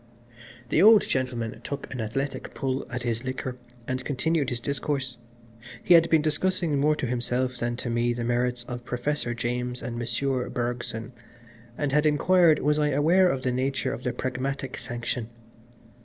IV The old gentleman took an athletic pull at his liquor, and continued his discourse. He had been discussing more to himself than to me the merits of Professor James and Monsieur Bergson, and had inquired was I aware of the nature of the Pragmatic Sanction.